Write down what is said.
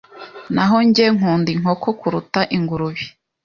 Naho njye, nkunda inkoko kuruta ingurube.